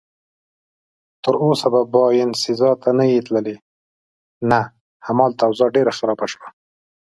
تراوسه به باینسیزا ته نه یې تللی؟ نه، هماغلته اوضاع ډېره خرابه شوه.